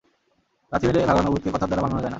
লাত্থি মেরে ভাগানো ভূতকে কথার দ্বারা মানানো যায় না।